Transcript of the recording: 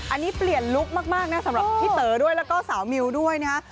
อันนี้เปลี่ยนลุคมากนะสำหรับพี่เต๋อด้วยแล้วก็สาวมิวด้วยนะฮะ